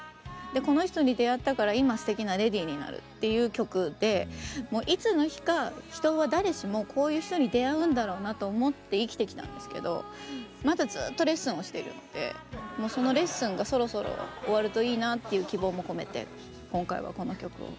でこの人に出逢ったから今素敵なレディになるっていう曲でいつの日か人は誰しもこういう人に出逢うんだろうなと思って生きてきたんですけどまだずっとレッスンをしてるのでもうそのレッスンがそろそろ終わるといいなっていう希望も込めて今回はこの曲を。